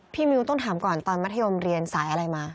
มิวต้องถามก่อนตอนมัธยมเรียนสายอะไรมา